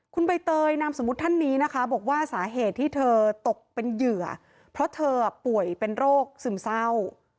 คุณใบเตยนามสมมุติท่านนี้นะคะบอกว่าสาเหตุที่เธอตกเป็นเหยื่อเพราะเธอป่วยเป็นโรคซึมเศร้า